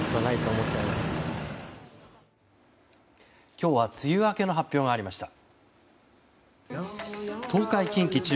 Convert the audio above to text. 今日は梅雨明けの発表がありました。